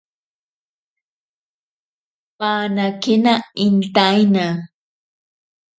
Panakena intaina.